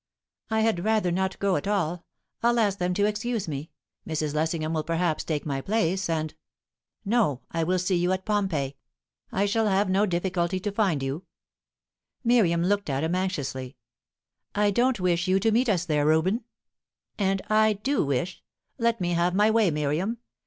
"I had rather not go at all. I'll ask them to excuse me; Mrs. Lessingham will perhaps take my place, and " "No! I'll see you at Pompeii. I shall have no difficulty in finding you." Miriam looked at him anxiously. "I don't wish you to meet us there, Reuben." "And I do wish! Let me have my way, Miriam.